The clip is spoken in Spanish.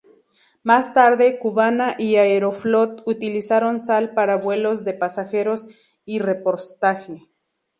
Más tarde, Cubana y Aeroflot utilizaron Sal para vuelos de pasajeros y repostaje.